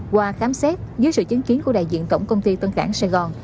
qua khám xét dưới sự chứng kiến của đại diện tổng công ty tân cảng sài gòn